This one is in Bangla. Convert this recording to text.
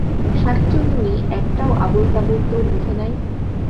শাঁকচুন্নী একটাও আবোল-তাবোল তো লিখে নাই।